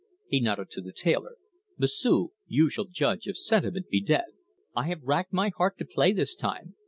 He nodded to the tailor. "M'sieu', you shall judge if sentiment be dead. "I have racked my heart to play this time.